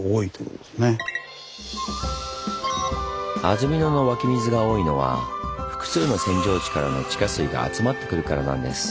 安曇野の湧き水が多いのは複数の扇状地からの地下水が集まってくるからなんです。